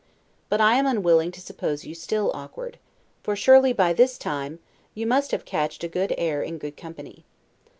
But I am unwilling to suppose you still awkward; for surely, by this time, you must have catched a good air in good company.